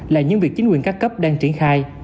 là những việc chính quyền các cấp đang triển khai